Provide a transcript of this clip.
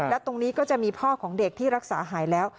และตรงนี้ก็จะมีพ่อของเด็กที่รักษาหายแล้ว